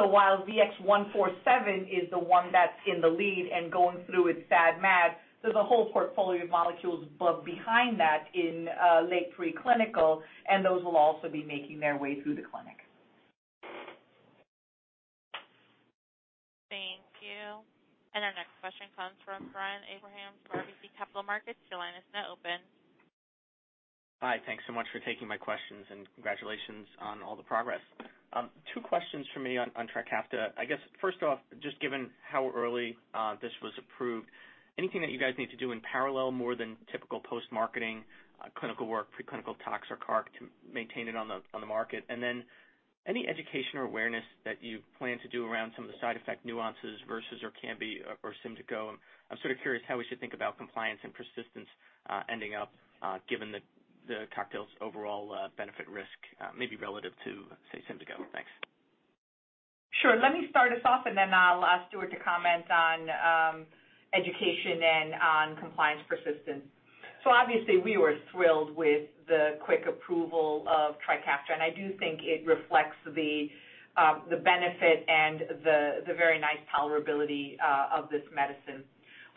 While VX-147 is the one that's in the lead and going through its SAD/MAD, there's a whole portfolio of molecules behind that in late pre-clinical, and those will also be making their way through the clinic. Thank you. Our next question comes from Brian Abrahams for RBC Capital Markets. Your line is now open. Hi, thanks so much for taking my questions. Congratulations on all the progress. Two questions from me on Trikafta. I guess first off, just given how early this was approved, anything that you guys need to do in parallel more than typical post-marketing clinical work, pre-clinical tox or carcinogenicity to maintain it on the market? Any education or awareness that you plan to do around some of the side effect nuances versus Orkambi or Symdeko? I'm sort of curious how we should think about compliance and persistence ending up, given the cocktail's overall benefit risk, maybe relative to, say, Symdeko. Thanks. Sure. Let me start us off, and then I'll ask Stuart to comment on education and on compliance persistence. Obviously we were thrilled with the quick approval of TRIKAFTA, and I do think it reflects the benefit and the very nice tolerability of this medicine.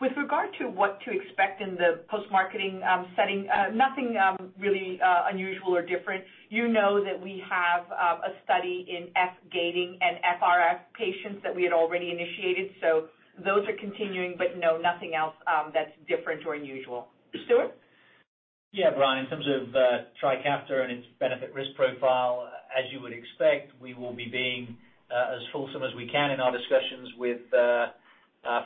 With regard to what to expect in the post-marketing setting, nothing really unusual or different. You know that we have a study in F-gating and FRF patients that we had already initiated, so those are continuing, but no, nothing else that's different or unusual. Stuart? Yeah, Brian, in terms of TRIKAFTA and its benefit risk profile, as you would expect, we will be being as fulsome as we can in our discussions with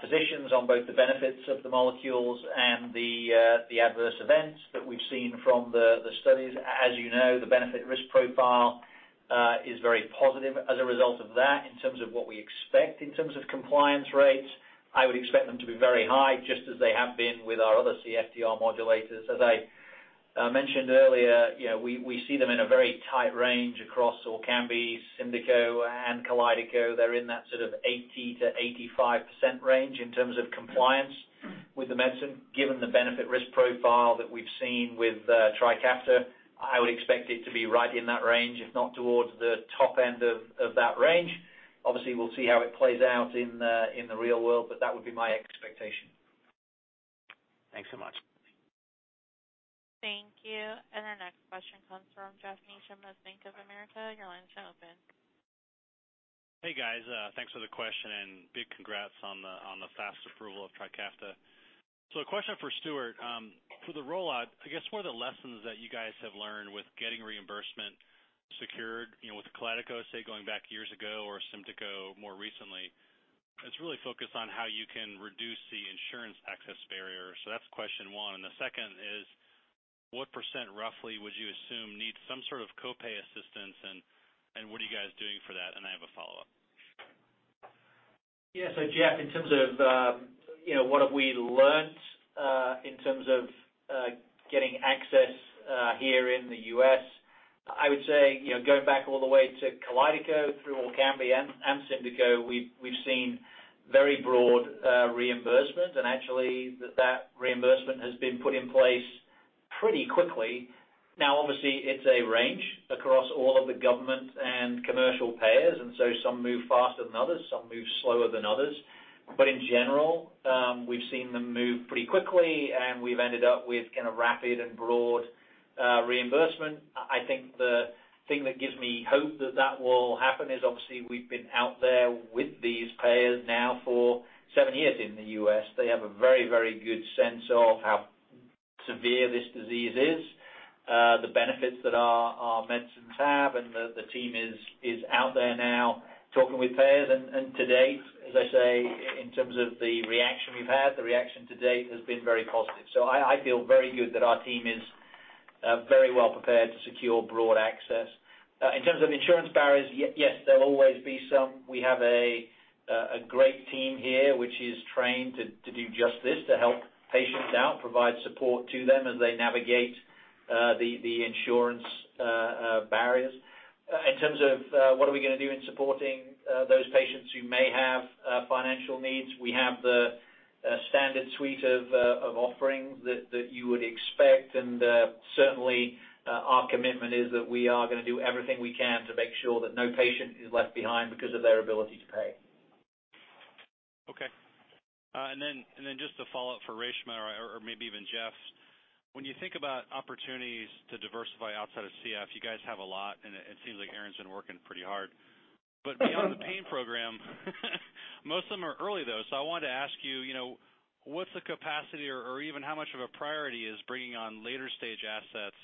physicians on both the benefits of the molecules and the adverse events that we've seen from the studies. As you know, the benefit risk profile is very positive as a result of that. In terms of what we expect in terms of compliance rates, I would expect them to be very high, just as they have been with our other CFTR modulators. As I mentioned earlier, we see them in a very tight range across ORKAMBI, SYMDEKO, and KALYDECO. They're in that sort of 80%-85% range in terms of compliance with the medicine. Given the benefit risk profile that we've seen with TRIKAFTA, I would expect it to be right in that range, if not towards the top end of that range. Obviously, we'll see how it plays out in the real world, but that would be my expectation. Thanks so much. Thank you. Our next question comes from Geoffrey Meacham, Bank of America. Your line is now open. Hey, guys. Thanks for the question and big congrats on the fast approval of TRIKAFTA. A question for Stuart. For the rollout, I guess, what are the lessons that you guys have learned with getting reimbursement secured, with KALYDECO, say, going back years ago or SYMDEKO more recently? It's really focused on how you can reduce the insurance access barrier. That's question one. The second is, what % roughly would you assume needs some sort of copay assistance, and what are you guys doing for that? I have a follow-up. Yeah. Jeff, in terms of what have we learned in terms of getting access here in the U.S., I would say, going back all the way to KALYDECO through ORKAMBI and SYMDEKO, we've seen very broad reimbursement and actually that reimbursement has been put in place pretty quickly. Obviously it's a range across all of the government and commercial payers, some move faster than others, some move slower than others. In general, we've seen them move pretty quickly, and we've ended up with rapid and broad reimbursement. I think the thing that gives me hope that that will happen is obviously we've been out there with these payers now for seven years in the U.S. They have a very good sense of how severe this disease is, the benefits that our medicines have, and the team is out there now talking with payers. To date, as I say, in terms of the reaction we've had, the reaction to date has been very positive. I feel very good that our team is very well prepared to secure broad access. In terms of insurance barriers, yes, there'll always be some. We have a great team here, which is trained to do just this, to help patients out, provide support to them as they navigate the insurance barriers. In terms of what are we going to do in supporting those patients who may have financial needs, we have the standard suite of offerings that you would expect, and certainly, our commitment is that we are going to do everything we can to make sure that no patient is left behind because of their ability to pay. Okay. Just a follow-up for Reshma or maybe even Jeff. When you think about opportunities to diversify outside of CF, you guys have a lot, and it seems like Aaron's been working pretty hard. Beyond the pain program, most of them are early, though. I wanted to ask you, what's the capacity or even how much of a priority is bringing on later-stage assets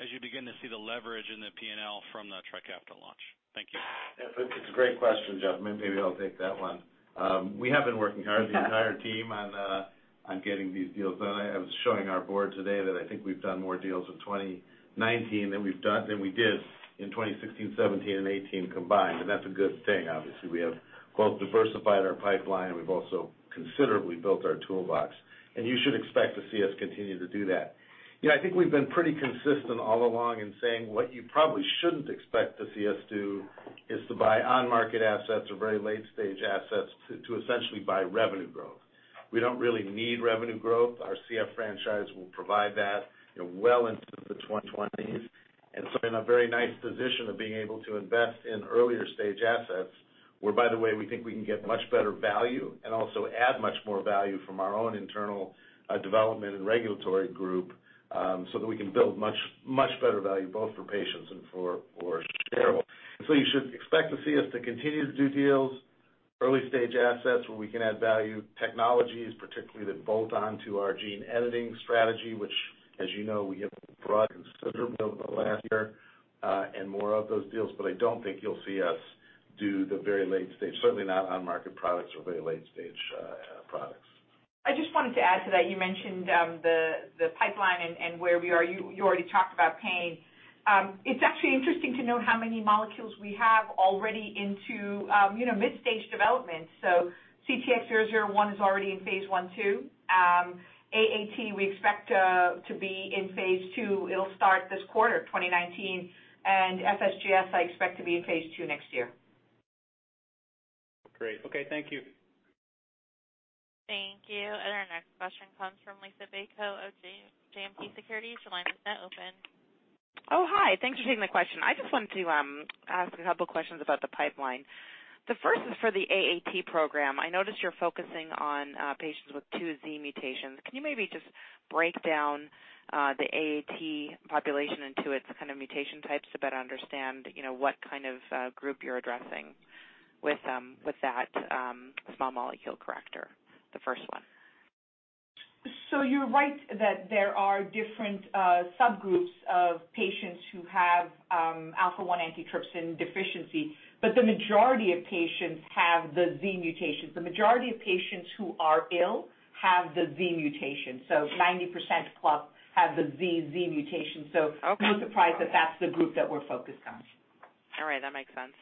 as you begin to see the leverage in the P&L from the TRIKAFTA launch? Thank you. Yeah, it's a great question, Geoff. Maybe I'll take that one. We have been working hard, the entire team, on getting these deals done. I was showing our board today that I think we've done more deals in 2019 than we did in 2016, 2017, and 2018 combined. That's a good thing. Obviously, we have both diversified our pipeline. We've also considerably built our toolbox. You should expect to see us continue to do that. I think we've been pretty consistent all along in saying what you probably shouldn't expect to see us do is to buy on-market assets or very late-stage assets to essentially buy revenue growth. We don't really need revenue growth. Our CF franchise will provide that well into the 2020s. We're in a very nice position of being able to invest in earlier-stage assets where, by the way, we think we can get much better value and also add much more value from our own internal development and regulatory group, so that we can build much better value both for patients and for shareholders. You should expect to see us to continue to do deals, early-stage assets where we can add value, technologies particularly that bolt onto our gene-editing strategy, which as you know, we have brought considerably over the last year, and more of those deals. I don't think you'll see us do the very late stage, certainly not on market products or very late-stage products. I just wanted to add to that. You mentioned the pipeline and where we are. You already talked about pain. It's actually interesting to note how many molecules we have already into mid-stage development. CTX001 is already in phase I, II. AAT we expect to be in phase II. It'll start this quarter, 2019, and FSGS I expect to be in phase II next year. Great. Okay. Thank you. Thank you. Our next question comes from Liisa Bayko of JMP Securities. Your line is now open. Oh, hi. Thanks for taking the question. I just wanted to ask a couple questions about the pipeline. The first is for the AAT program. I noticed you're focusing on patients with 2 Z mutation. Can you maybe just break down the AAT population into its kind of mutation types to better understand what kind of group you're addressing with that small molecule corrector, the first one? You're right that there are different subgroups of patients who have alpha-1 antitrypsin deficiency, but the majority of patients have the Z mutation. The majority of patients who are ill have the Z mutation. 90% plus have the Z mutation. Okay no surprise that that's the group that we're focused on. All right. That makes sense.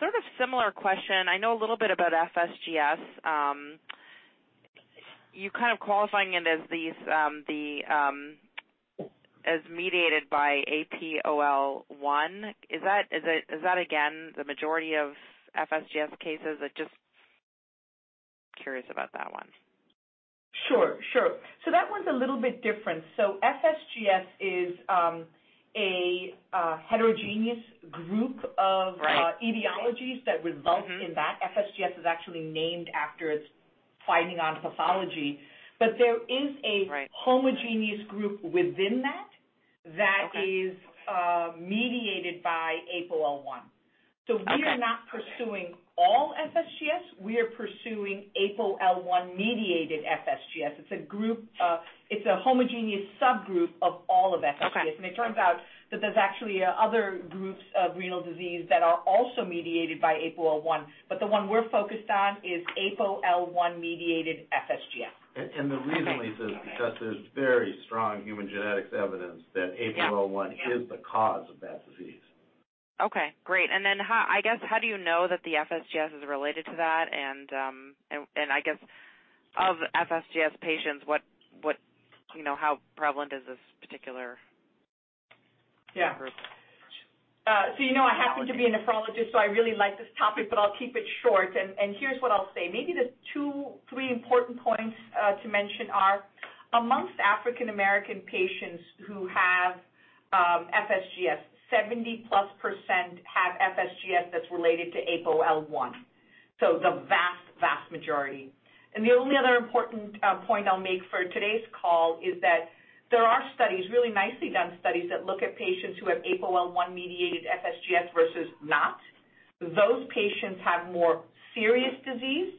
Sort of similar question, I know a little bit about FSGS. You're kind of qualifying it as mediated by APOL1. Is that again, the majority of FSGS cases? I'm just curious about that one. Sure. That one's a little bit different. FSGS is a heterogeneous group of. Right etiologies that result in that. FSGS is actually named after its finding on pathology. Right homogeneous group within that is mediated by APOL1. Okay. We are not pursuing all FSGS. We are pursuing APOL1-mediated FSGS. It's a homogeneous subgroup of all of FSGS. Okay. It turns out that there's actually other groups of renal disease that are also mediated by APOL1. The one we're focused on is APOL1-mediated FSGS. The reason, Liisa, is because there's very strong human genetics evidence that APOL1 is the cause of that disease. Okay, great. I guess, how do you know that the FSGS is related to that? I guess of FSGS patients, how prevalent is this particular group? I happen to be a nephrologist, so I really like this topic, but I'll keep it short. Here's what I'll say. Maybe the two, three important points to mention are amongst African American patients who have FSGS, 70+% have FSGS that's related to APOL1, the vast majority. The only other important point I'll make for today's call is that there are studies, really nicely done studies, that look at patients who have APOL1-mediated FSGS versus not. Those patients have more serious disease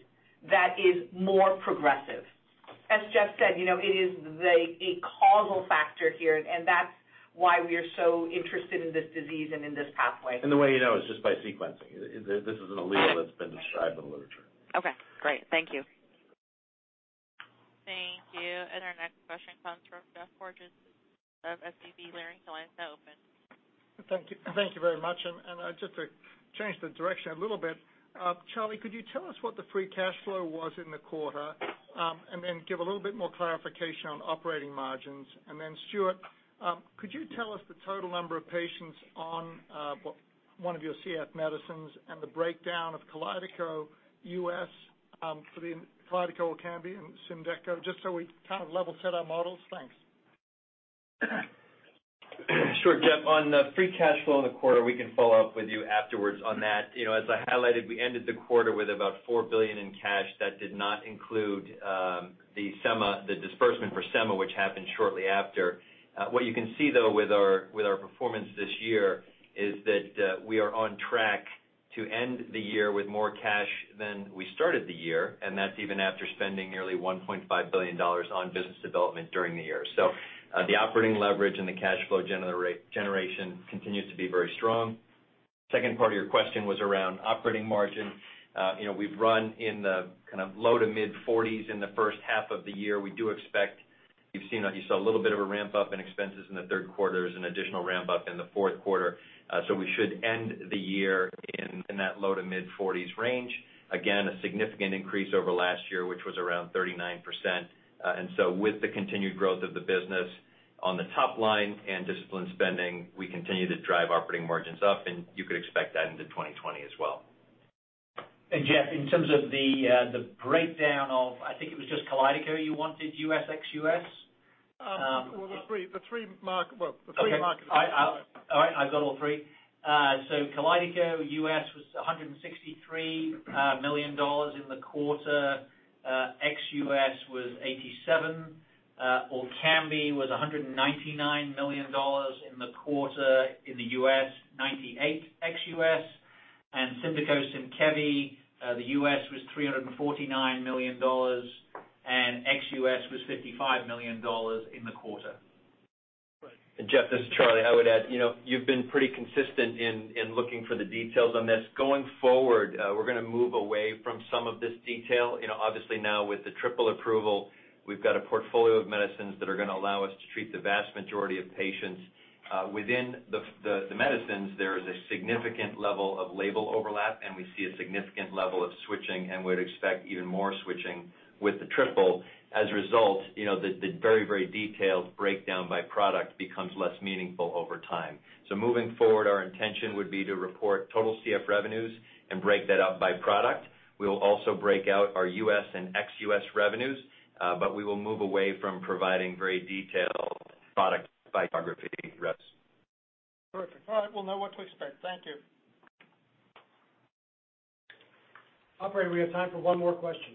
that is more progressive. As Jeff said, it is a causal factor here, that's why we are so interested in this disease and in this pathway. The way you know is just by sequencing. This is an allele that's been described in the literature. Okay, great. Thank you. Thank you. Our next question comes from Geoff Porges of SVB Leerink. Your line is now open. Thank you very much. Just to change the direction a little bit, Charlie, could you tell us what the free cash flow was in the quarter? Give a little bit more clarification on operating margins. Stuart, could you tell us the total number of patients on one of your CF medicines and the breakdown of KALYDECO U.S. for the KALYDECO, ORKAMBI, and SYMDEKO, just so we kind of level set our models? Thanks. Sure, Jeff. On the free cash flow in the quarter, we can follow up with you afterwards on that. As I highlighted, we ended the quarter with about $4 billion in cash. That did not include the disbursement for Semma, which happened shortly after. What you can see, though, with our performance this year is that we are on track to end the year with more cash than we started the year, that's even after spending nearly $1.5 billion on business development during the year. The operating leverage and the cash flow generation continues to be very strong. Second part of your question was around operating margin. We've run in the low to mid-40s in the first half of the year. You saw a little bit of a ramp-up in expenses in the third quarter. There's an additional ramp-up in the fourth quarter. We should end the year in that low to mid-40s range. Again, a significant increase over last year, which was around 39%. With the continued growth of the business on the top line and disciplined spending, we continue to drive operating margins up, and you could expect that into 2020 as well. Jeff, in terms of the breakdown of, I think it was just KALYDECO you wanted, U.S. ex-U.S.? Well, the three markets. Okay. All right, I've got all three. KALYDECO U.S. was $163 million in the quarter. Ex-U.S. was $87 million. ORKAMBI was $199 million in the quarter in the U.S., $98 million ex-U.S. SYMDEKO, SYMKEVI, the U.S. was $349 million, and ex-U.S. was $55 million in the quarter. Jeff, this is Charlie. I would add, you've been pretty consistent in looking for the details on this. Going forward, we're going to move away from some of this detail. Obviously now with the triple approval, we've got a portfolio of medicines that are going to allow us to treat the vast majority of patients. Within the medicines, there is a significant level of label overlap, and we see a significant level of switching and would expect even more switching with the triple. As a result, the very detailed breakdown by product becomes less meaningful over time. Moving forward, our intention would be to report total CF revenues and break that out by product. We will also break out our U.S. and ex-U.S. revenues, but we will move away from providing very detailed product by geography reps. Perfect. All right. We'll know what to expect. Thank you. Operator, we have time for one more question.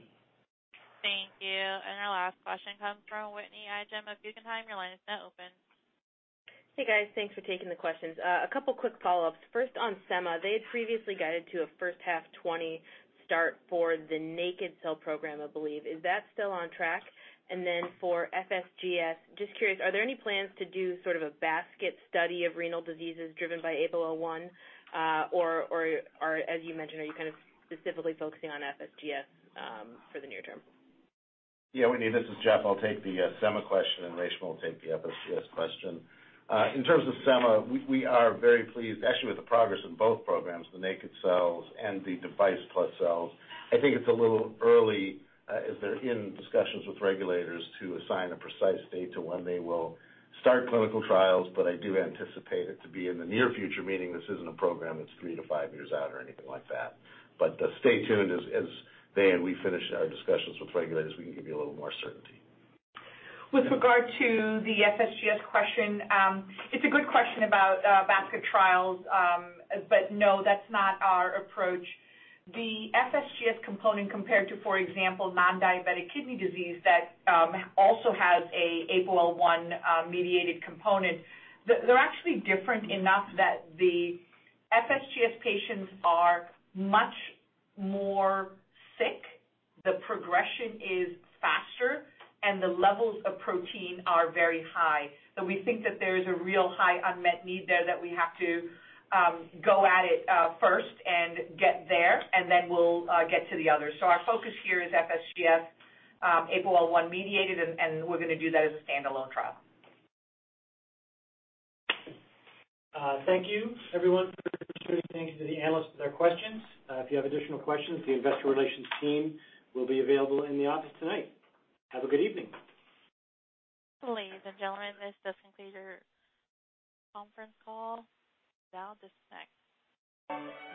Thank you. Our last question comes from Whitney Ijem of Guggenheim. Your line is now open. Hey, guys. Thanks for taking the questions. A couple quick follow-ups. First on Semma, they had previously guided to a first half 2020 start for the Naked Cell Program, I believe. Is that still on track? For FSGS, just curious, are there any plans to do sort of a basket study of renal diseases driven by APOL1? Or as you mentioned, are you kind of specifically focusing on FSGS for the near term? Yeah, Whitney, this is Jeff. I'll take the Semma question, and Reshma will take the FSGS question. In terms of Semma, we are very pleased, actually, with the progress in both programs, the naked cells and the device plus cells. I think it's a little early in discussions with regulators to assign a precise date to when they will start clinical trials, but I do anticipate it to be in the near future, meaning this isn't a program that's three to five years out or anything like that. Stay tuned as they and we finish our discussions with regulators, we can give you a little more certainty. With regard to the FSGS question, it's a good question about basket trials, no, that's not our approach. The FSGS component compared to, for example, non-diabetic kidney disease that also has a APOL1-mediated component, they're actually different enough that the FSGS patients are much more sick, the progression is faster, and the levels of protein are very high. We think that there is a real high unmet need there that we have to go at it first and get there, and then we'll get to the others. Our focus here is FSGS APOL1-mediated, and we're going to do that as a standalone trial. Thank you, everyone, for participating. Thanks to the analysts for their questions. If you have additional questions, the investor relations team will be available in the office tonight. Have a good evening. Ladies and gentlemen, this does conclude your conference call. You may now disconnect.